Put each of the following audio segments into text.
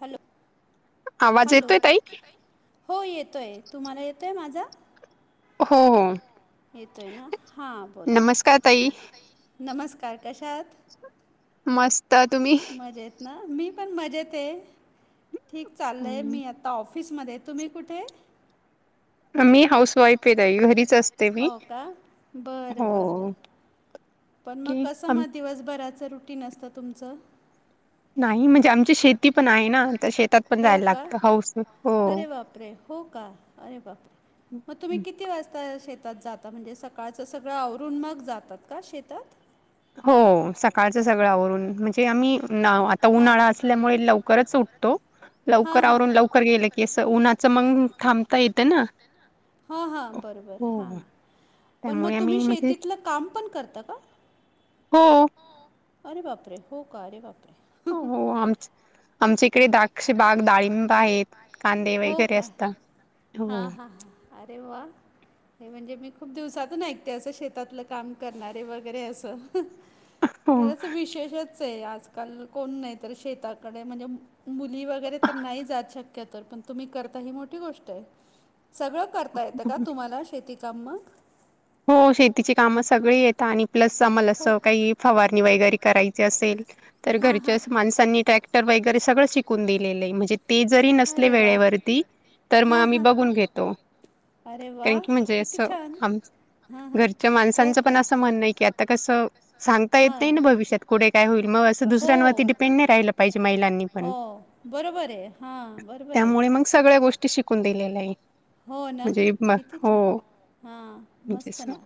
Hello आवाज hello येतोय ताई? हो येतोय तुम्हाला येतोय माझा? हो येतोय ना हा बोला नमस्कार ताई नमस्कार कशा आहात? मस्त. तुम्ही? मजेत ना मी पण मजेतय ठीक चाललय हम्म. मी आता आता ऑफिसमध्ये आहे तुम्ही कुठय? मी हाऊस वाईफ आहे ताई घरीच असते मी हो का बर हो बर. पण मग की कस आम मग दिवसभराच रुटीन असत तुमच? नाही म्हणजे आमची शेती पण आहे ना तर शेतात पण हो जायला का लागतं हाऊस हो. अरे बाप बापरे. हो का? अरे बापरे. मग तुम्ही किती वाजता शेतात जाता म्हणजे सकाळच सगळ आवरून मग जातात का शे तात. हो सकाळच सगळ आवरून म्हणजे आम्ही नाव आता हां. उन्हाळा असल्यामुळे लवकरच उठतो. हां लवकर हां. आवरून लवकर गेल की अस उन्हाच मंग थांबता येत ना. हां हां बर बर हा हो. पण त्यामुळे मग तुम्ही आम्ही म्हणजे शेतीतल काम पण करता का? हो. अरे बापरे. हो का? अरे वापरे. हो आम आमच्या इकडे द्राक्ष बाग, डाळिंब आहेत, कांदे वगैरे असतात. हां हो. हां अरे वा. नाही म्हणजे मी खूप दिवसातून ऐकते अस शेतातल काम करणारे वगैरे अस. [inaudible] खरच विशेषच आहे आजकाल कोण नाही तर शेताकडे म्हणजे मुली वगैरे तर नाही जात शक्यतो पण तुम्ही करता ही मोठी गोष्ट आहे. सगळ करता येत का तुम्हाला शेती काम मग? हो शेतीची काम सगळी येता आणि प्लस आम्हाला अस काही फवारणी वगैरे करायची असेल तर हां हां. घरच्याच माणसांनी ट्रॅक्टर वगैरे सगळ शिकून दिलेल आहे. म्हणजे ती जरी नसले अरे वा! वेळेवरती तर मग हां आम्ही हां. बघून घेतो. घेतो. अरे वा! त्याच की म्हणजे अस किती छान. म्हणजे हां हां. घरच्या माणसांच पण अस म्हणण की आता तर कस सांगता येत नाही ना हां. भविष्यात पुढे काय होईल मग अस हो. दुसऱ्यांवरती डिपेंड नाही राहिल पाहिजे महिलांनी हो पण बरोबर आहे हा बरोबर आहेस. त्यामुळे मग सगळ्या गोष्टी शिकून दिलेल्या आहे हो ना म्हणजे मग किती हो. छान हां म्हणजे मस्त असं ना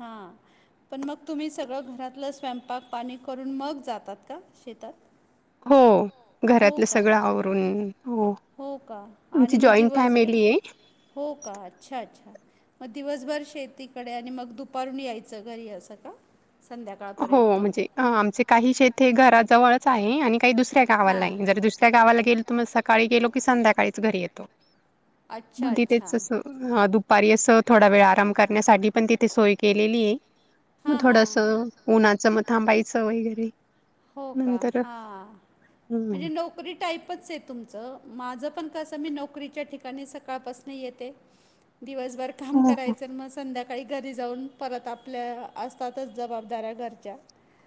हां. पण मग तुम्ही सगळं घरातलं स्वयंपाक पाणी करून मग जातात का शेतात? हो हो घरातलं का सगळं आवरून. हो का आणि आमची मग जॉईंट दिवसभर फॅमिली आहे हो का अच्छा अच्छा. म दिवसभर शेतीकडे आणि मग दुपारून यायचं घरी असं का? हो संध्याकाळपर्यंत म्हणजे आमचे काही शेती घरा जवळच आहे आणि काही दुसऱ्या काहवाल हां नाही जर दुसऱ्या गावाला गेलो तर म सकाळी गेलो की संध्याकाळीच घरी येतो. येतो म अच्छा अच्छा तिथेच असं हा दुपारी असं थोडा वेळ आराम करण्यासाठी पण तिथे सोय केलेली आहे. हा हा. तर उन्हाचं मग थांबायचं वगैरे हो का नंतर हां हम्म. म्हणजे नोक करी टाईपच आहे तुमचं माझं पण कसं मी नोकरीच्या ठिकाणी सकाळपासूनं येते. दिवसभर काम हो हो करायच म संध्या काळी घरी जाऊन परत आपल्या असतातच जबाबदाऱ्या घरच्या.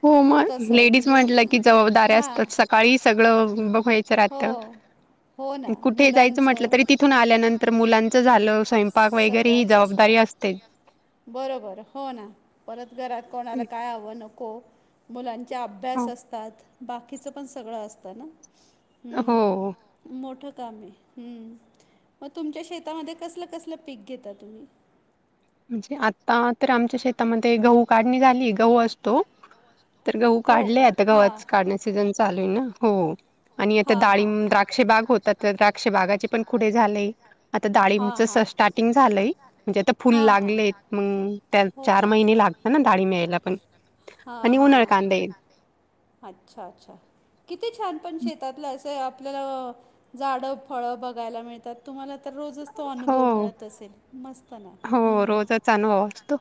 हो मग तसं लेडीज म्हणजे म्हटलं की जबाबदऱ्या हां असताच सकाळी सगळं बघवायचं हो राहतं हो ना कुठेही जायचं म्हटलं मुलांचं तरी तिथून आल्यानंतर मुलां चा झालं स्वयंपाक वगैरे ही सगळंच असतं जबाबदारी असते. बरोबर हो ना परत घरात कोणाला काय हवं नको मुलां च्या हो. अभ्यास असतात बाकीचं पण सगळं असतं ना हम्म. हो मोठं काम आहे मग तुमच्या शेतामध्ये कसलं-कसलं पीक घेता तुम्ही? म्हणजे आता तर आमच्या शेतामध्ये गहू काढणी झाली गहू अस तो तर गहूं हो काढले का आता हां गव्हाच काढण्या सीजन चालू आहे ना हो. आणि आता हां हां डाळींब हां द्राक्ष बाग होतात तर द्राक्ष बागाचे पण खुडे झाले. आता हां डाळींचं हां स्टार्टिंग झालंय म्हणजे आता फू फुल हां हां लागले मंग त्या हो का चार महिने लागतं ना डाळींब येयला पण. हा आणि हा उन्हाळ कांदे अच्छा-अच्छा किती छान पण शे तातलं असे आपल्याला झाडं, फळं बघायला मिळत्यात तुम्हाला तर रोजच तो हो अनुभव मिळत असेल मस्त ना हम्म. चानवाव असतो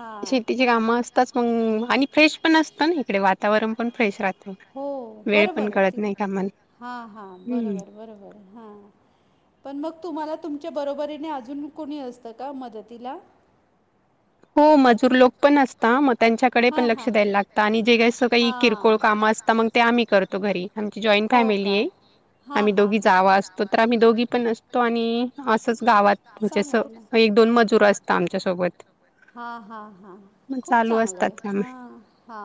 हां शेतीची कामं असतात मंग आणि फ्रेश पण असतं ना इकडे वातावरण पण फ्रेश राहतो हो वेळ पण बरोबर आहे कळत ती नाही कामाला. हां हां हम्म. बरोबर बरोबर आहे. हां पण मग तुम्हाला तुमच्या बरोबरीने अजून कोणी असतं का मदतीला? हो मजूर लोक पण असता म त्यांच्या तिकडे पण लक्ष द्यायला लागता आणि जे कसं काही किरकोळ कामं असता मंग ते आम्ही करतो घरी. आमची जॉईंन फॅमिली आहे आम्ही आहे दोघी जावा असतो तर आम्ही दोघी पण अस तो आणि असंच गावात म्हणजे असं एक-दोन मजुर असता आमच्या सोबत. हा हा हा हा खूप असतात चांगलंय कामं हा. हा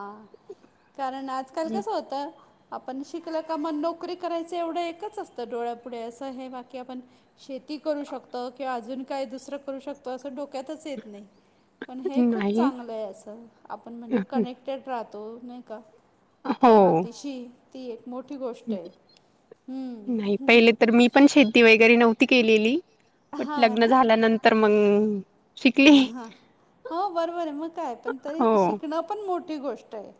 कारण आजकाल कसं होतं आपण शिकलं का मग नोकरी करायचं एवढं एकच असतं डोळ्यापुढे असं हे बाकी आपण शेती करू शकतं किंवा अजून काय दुसरं करू शकतं असं डोक्यातच येत नाही. पण हे खूप नाही चांगलं आहे असं आपण म्हणजे कनेक्टेड राहतो नाही का? आपल्या हो. मातीशी ती एक मोठी गोष्ट आहे, नाही हम्म. पहिले तर मी पण शेती वैगेरे नव्हती केलेली, बट हा लग्न ना झाल्यानंतर मग शिकली मग हो बरोबर आहे, मग काय, पण तरी हो शिकणं पण मोठी गोष्ट आहे.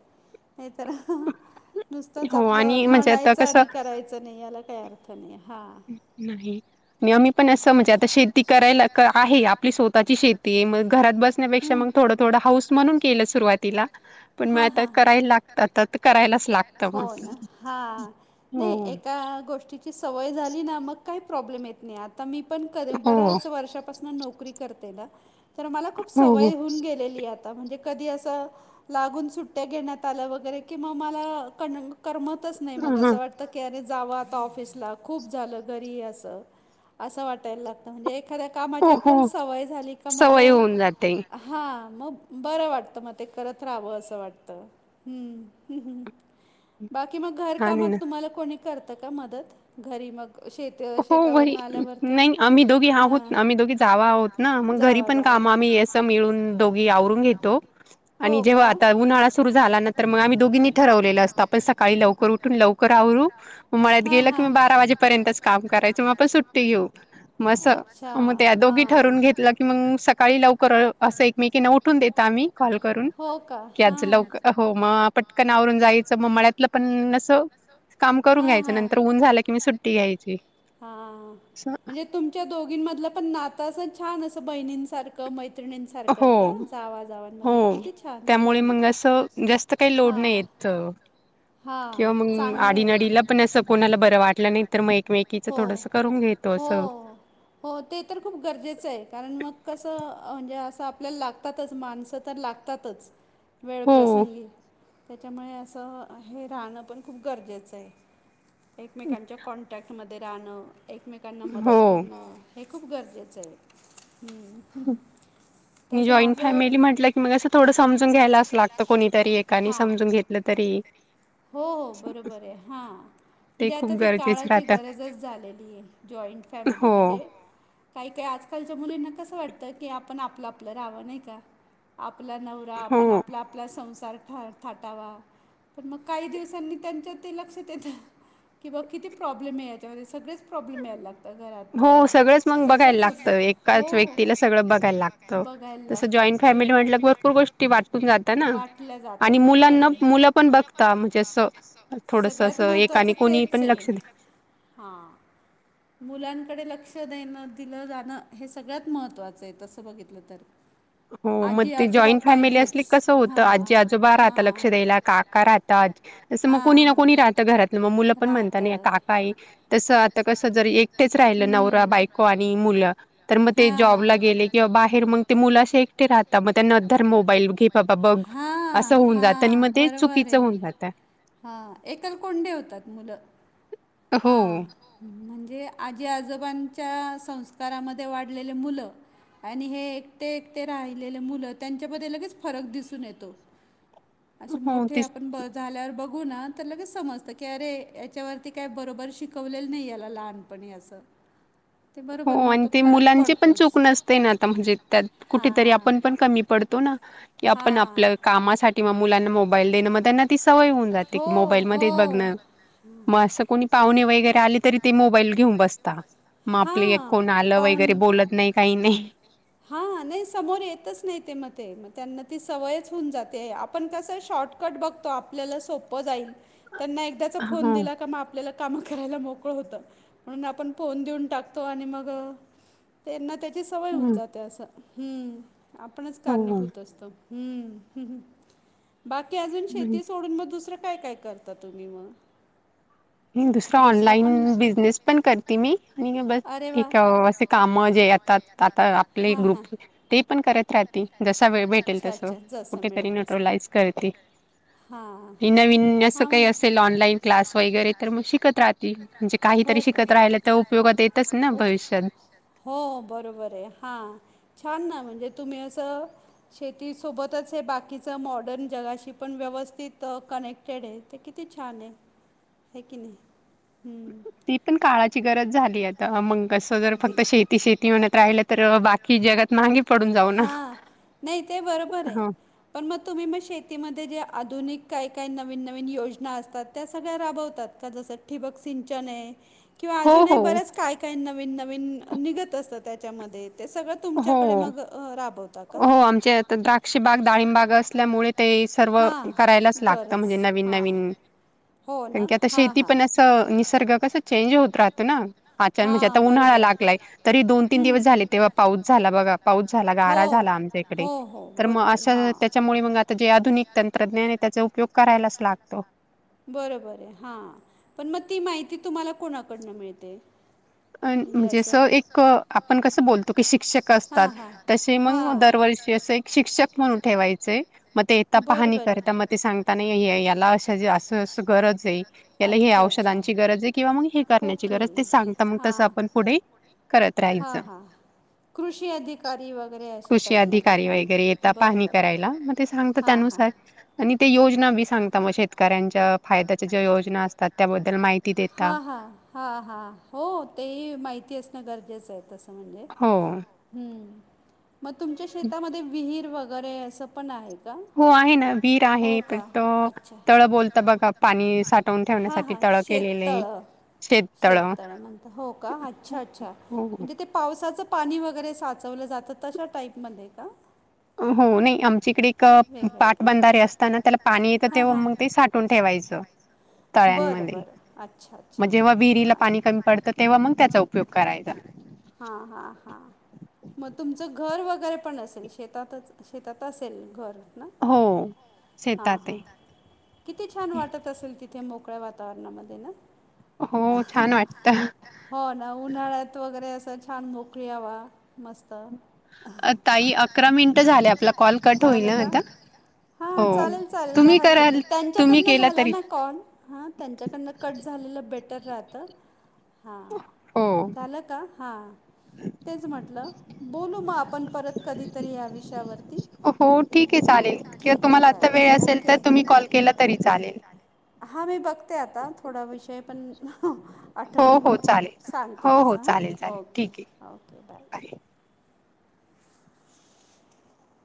नाही तर, नुसतंच हो आपलं आणि म्हणजे आता म्हणायचं कसं आणि करायचं नाही याला काय अर्थ र्थ नाही हां. नाही. मी पण असं म्हणजे आता शेती करायला आहे, आपली स्वतःची शेती आहे मग घरात बस ण्यापेक्षा थोडं थोडं हौस म्हणुन केलं सुरवातीला, पण मग आता कराय लाग करायला लागतातच करायलाच लागत, हो ना हां, नाही हो हा एका गोष्टी ची सवय झाली ना मग काही प्रॉब्लेम येत नाही, आता मी पण क हो बऱ्याच वर्षापासून नोकरी करत ते ना तर मला खूप हो हो सवय होऊन गेलेली आ आता म्हणजे कधी असं, लागून सुट्ट्या घेण्यात आल्या वगैरे की, मग मला कण करमतच नाही, मग ह असं वाटत की अरे जावं आता ऑफिसला, खूप झालं घरी, असं. असं वाटायला लागत, म्हणजे एखाद्या कामाची हो आपल्याला हो सवय झाली का मग, सवय होऊन जाते हां मग बरं वाटतं, मग ते करत राहावं असं वाटतं. हम्म. बाकी मग घर छान आहे ना कामात तुम्हाला कोणी करतं का मदत, घरी मग श हो शेतावर वही नाही आम्ही दोघी आहोत ना, आम्ही दोघी जावा आहोत ना, मग घरी पण काम आम्ही असं मिळून दोघी आवरुन घेतो, आणि हो का? जेव्हा आता उन्हाळा सुरु झाला, नंतर मग आम्ही दोघींनी ठरवलेल असतं आपण सकाळी लवकर उठून लवकर आवरू, मग मळ्यात गेलं उन्हाळा किवा हां. बारा वाजेपर्यंतच काम करायचं मग पण सुट्टी घेऊ. मग अस किंवा मग त्या दोघी सांग ठरून घेतलं की मग, सकाळी लवकर असं एकमेकीना उठून देत तो आम्ही कॉल करून, हो का की आज हां लवक हो मग पटकन आवरून जायचं, मग मळ्यातलं पण असं काम करून घ्यायचे नंतर, ऊन झाला की मग सुट्टी घ्यायची. हां, असं म्हणजे तुमच्या दोघींमधलं पण नातं असं छान असं बहिणींसारखं मैत्रिणींसारखं आहे का, हो, जावाजावांमध्ये हो. किती छान! हो ना. तर काही लोड नाही येत. हां, किंवा मग चांगलं आहे. आडीनडीला पण असं, कोणाला बरं वाटलं नाही तर मग एकमेक कीच हो, थोडसं एकमेकींचं करून घेतो असं. हो, घेतो हो ते तर खूप गरजेचं आहे, कारण मग कसं म्हणजे असं, आपल्याला लागतातच माणसं तर लाग तातच हो, वेळप्रसंगी. त्याच्यामुळे असं हे राहणं पण खूप गरजेचं आहे. एकमेकांच्या कॉन्टॅक्टमध्ये राहणं, एकमेकांना मदत हो. करणं. हे खूप गरजेचं आहे हम्म. जॉईंट फॅमिली म्हटलं की मग असं थोडं समजून घ्यायलाच असं लागतं, कोणीतरी एकाने हां. समजून घेतलं तरी. हो हो बरोबर आहे, हां ते म्हणजे खूप आता ती गरजेचं काळाची राहतं. गरजच झालेली आहे, जॉईंट फॅमिली हो, म्हणजे काही काही आजकालच्या मुलींना कसं वाटतं, की आपण आपलं आपलं राहावं नाही का. आपला नवरा, आपण हो. आपला आपला संसार फार थाटावा, पण मग काही दिवसांनी त्यांच्या ते लक्षात येतं, की बाबा किती प्रोब्ले प्रॉब्लम याच्यामध्ये सगळेच प्रॉब्लेम यायला हो घरातच, सगळंच मग बघायला सगळच असत, लागतं हो एकाच हो एकाच व्यक्तीला बघायला सगळं बघाय लागतं. बघायला तसं लागत ते, आणी जॉईंट जॉइंट म्हटलं की फॅमिली मुळं भरपूर ते गोष्टी भपूर वाटून जाता गोष्टी ना. वाटल्या जातात, आणि बरोबर मुलांना आहे. आणि मुलं पण बघता म्हणजे असं मुलांना थोडस सगळ्यात असं महत्त्वाचं एकाने कोणी तेच पण आहे. लक्ष द्या हा. मुलांकडे लक्ष देणं, दिलं जाणं. हे सगळ्यात महत्त्वाचं आहे तसं बघितलं तर. [inaudible] हो मग आजी ते आजोबा जॉईंट फॅमिली पाहिजेच असली की कसं होतं आजी आजोबा राहता लक्ष द्यायला काका राह तात तसं मग कोणी ना हां कोणी राहत घरातलं मग मुलं पण म्हणता ना काका आहे तसं त कसं जर एकटेच राहिलं नवरा बायको आणि मुलं तर मग ते जॉबला गेले किंवा बाहेर मग ते मुलं अश शी एकटी राहता मग नंतर मोबाईल, बाबा बघ हा असं होऊन जातं आणि मग हा ते बरोबर चुकीचं होऊन आहे. जातं हा एकलकुंडे होतात मुलं हो हा. म्हणजे आजी आजोबांच्या संस्कारामध्ये वाढलेले मुलं आणि हे एकटे एकटे राहिलेले मुलं त्यांच्यामध्ये लगेच फरक दिसून येतो. [inaudible] असे मोठे तेच आपण ब झाल्यावर बघू ना तर लगेच समजत की अरे याच्यावरती काय बरोबर शिकवलेल नाही याला लहानपणी असं. ते हो बरोबर मग आणि तो ते फरक आपल्याची मुलांची पण पडतोच. चूक नसते ना आता म्हणजे त्यात कुठेतरी हां. आपण पण कमी पडतो ना. की मग आपण हां. आपल्या कामासाठी मग मुलांना मोबाईल देणं. मग त्यांना ती सवय होऊन जाते की मोबाईलमध्ये बघणं. मग असं कोणी पाहुणे वगैरे आले तरी ते मोबाईल घेऊन बसता म आपली एक हां कोण आलं वगैरे बोलत नाही काही नाही. हा नाही समोर येतच नाही ते मग ते मग त्यांना ती सवयच होऊन जाते आपण कसं शॉर्ट कट बघतो आपल्याला सोप जाईल, त्यांना एकदाचा हा फोन हो. दिला का आप पल्याला कामं करायला मोकळं होतं. म्हणून आपण फोन देऊन टाकतो आणि मग त्यांना त्याची सवय होऊन जाते असं हम्म आपणच हो. कारणीभूत असतो. हम्म, बाकी अजून शेती सोडून मग दुसरं काय काय कर ता तुम्ही मग? आणि दुसरा ऑनलाइन बिझनेस पण करते मी आणि अरे वा ठीक असे काम जे येतात आता आपले हां हां ग्रुप ते पण करत राह ती जसा वेळ भेटेल अच्छा तसं अच्छा जसं कुठेतरी मिळेल तसं न्यूट्रलाइज करते. हां नवीन असं काही असेल ऑनलाईन क्लास वगैरे तर मग शिकत राहती म्हणजे काहीतरी शिकत राहिल तर उपयोगात येतंच ना भविष्यात. हो बरोबर आहे हा छान ना म्हणजे तुम्ही असं शेतीसोबतच हे बाकीचं मॉडर्न जगाशी पण व्यवस्थित कने क्टेड आहे ते किती छान हे की नाही हम्म. ती पण ही काळाची गरज झाली आहे. त मग कसं जर अगदी. फक्त शेती शेती म्हणत राहिलं तर बाकी जगात मागे पडून जाऊ ना. आ नाही ते बरोबर आहे. हो पण मग तुम्ही मग शेतीमध्ये जे आधुनिक काही काही नवीन नवीन योजना असतात त्या सगळ्या राबवतात का? जसं ठिबक सिंचन आहे. किंवा हो अजून ही हो बऱ्याच काय नवीन नवीन निघत असतात त्याच्यामध्ये ते सगळं हो तुमच्याकडे मग अ, राबवता का? हो आमच्या इथे द्राक्ष बाग, डाळिंब बाग असल्यामुळे ते सर्व हां करायलाच लागत गरज म्हणजे नवीन हां नवीन हो कारण ना की आता हा शेती हा. पण असं निसर्ग कसं चेंज होत राहतो ना. अच्छा म्हणजे हां आता उन्हाळा बरोबर लागलाय तरी दोन-तीन दिवस हम्म. झाले तेव्हा पाऊस झाला बघा पाऊस झाला हो गारा झाला आमच्या इकडे हो हो तर मग बरोबर अशा हां. त्याच्यामुळे मग आ जे आधुनिक तंत्रज्ञान आहे त्याचा उपयोग करायलाच लागतो. बरं बर, हा, पण मग ती माहिती तुम्हाला कोणाकडनं मिळते? अ म्हणजे असं एकं, आपण कसं बोलतो की शिक्षक असतात, हां हां तसे मग हां दरवर्षी एक असं शिक्षक म्हणून ठेवायचे. मग ते येता बरं पाहणी बरं करता मग ते सांगताना माया ला असं अशे अशे गरज आहे. याला या अच्छा अच्छा औषधांची गरज आहे. किंवा मग हे करण्याची ओके गरज ते सांगतं मग तस हां आपण पुढे,, करत हां हां राहायचं. कृषी अधिकारी वगैरे अशा कृषी टाईपमध्ये अधिकारी का वगैरे येेता बरं पाहणी बरं करायला, मग ते सांग हां हां त्यानुसार आणि ते योजना बी सांगता, मग शेतकऱ्यांच्या फायद्याच्या ज्या योजना असतात त्याबद्दल माहिती देता हा हा हा हा, हो तेही माहिती असणं गरजेचं आहे. तसं म्हणजे,, हो हम्म,, मग तुमच्या शेतामध्ये विहीर वगैरे असं पण आहेत. हो आहे ना, विहीर आहे पत्त- अच्छा. - तळं बोलता बघा, पाणी साठवून हां ठेवण्यासाठी हां तळक शेततळं,, शेततळं म्हणता हो का अच्छा अच्छा, हो म्हणजे ते पावसाचं पाणी वगैरे साचवलं जातं तशा टाईपमध्ये का? हो नाही, आमच्याईकडे एक वेगळं आहे का? पाटबंधारे असताना त्याला पाणी येतं तेव्हा मग ते साठ साठवून ठेवायचं बरं बरं तळ्यांमध्ये,, उन्हाळ्यामध्ये. अच्छा अच्छा. मजेव्हा विहीरला पाणी कमी पडतं तेव्हा मग त्याचा उपयोग करायचा. हा हा हा. मग तुमचं घर वगैरे पण असेल शेतातच,, शेतात असेल घर ना,, हो हां शेतात हां आहे हां. किती छान वाटत असेल तिथे मोकळ्या वातावरणामध्ये ना हो छान वाटत हो ना, उन्हाळ्यात वगैरे असं छान मोकळी हवा मस्त अ ताई मिनिटं अकरा मिनिट झाले कॉल आपला कॉ- कट होईल झालं ना का. आता हा हो चालल चालल काय तुम्ही हरकत कराल नाही, तुम्ही त्यांच्याकडनं केला झाला तरी ना कॉल हां त्यांच्याकडनं कट झालेलं बेटर राहतं,,, हां,, हो झालं का? हां,, तेच म्हटलं,, बोलू मग आपण परत कधीतरी या विषयावरती. हो ठीक आहे चालेल,, हां किं तुम्हाला आत्ता वेळ असेल तर तुम्ही कॉल केला तरी चालेल. हा मी बघते आता थोडा विषय पण हो आठवून हो मग, चालेल सांगते हो हो तसं चालेल हां, चालेल ओके ठीक आहे ओके बाय.